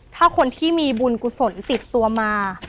ถ้าคนที่มีบุญกุศลติดตัวมา